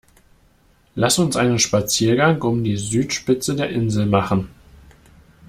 Lass uns einen Spaziergang um die Südspitze der Insel machen!